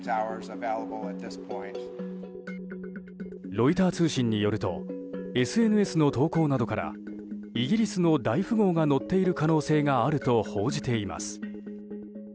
ロイター通信によるとＳＮＳの投稿などからイギリスの大富豪が乗っている可能性があると報じています。